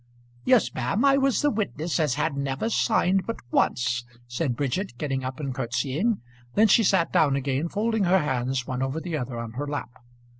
"Yes, ma'am. I was the witness as had never signed but once," said Bridget, getting up and curtsying. Then she sat down again, folding her hands one over the other on her lap.